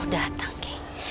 syukurlah kau datang ki